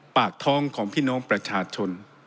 ปากท้องของพี่น้องประชาชน